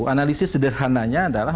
analisis sederhananya adalah